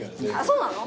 そうなの？